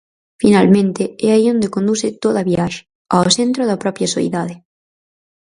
Finalmente, é aí onde conduce toda viaxe, ao centro da propia soidade.